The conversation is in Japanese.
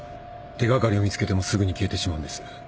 手掛かりを見つけてもすぐに消えてしまうんです。